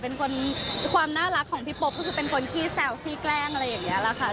เป็นคนความน่ารักของพี่โป๊ปก็คือเป็นคนขี้แซวขี้แกล้งอะไรอย่างนี้แหละค่ะ